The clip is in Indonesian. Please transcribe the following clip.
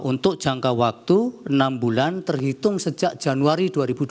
untuk jangka waktu enam bulan terhitung sejak januari dua ribu dua puluh